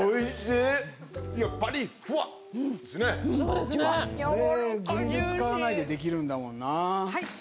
これグリル使わないでできるんだもんな。